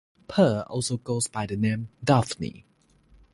Pearl also goes by the name "Daphne".